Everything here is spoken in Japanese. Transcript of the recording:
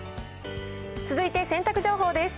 続いて洗濯情報です。